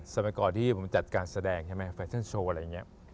สมัยก่อนที่ผมจัดการแสดงใช่ไหมแฟชั่นโชว์อะไรอย่างนี้